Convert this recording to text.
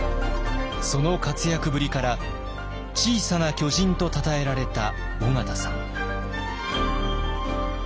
その活躍ぶりから「小さな巨人」とたたえられた緒方さん。